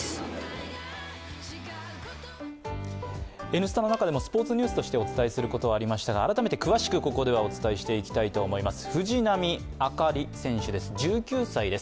「Ｎスタ」の中でもスポーツニュースとしてお伝えすることはありましたが改めて詳しくここではお伝えしていきたいと思います。